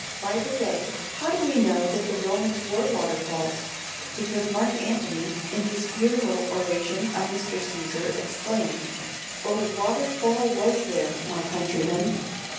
[By the way, how do we know that the Romans wore waterfalls? Because Marc Antony, in his funeral oration on Mr. Cæsar, exclaimed, "O water fall was there, my countrymen!"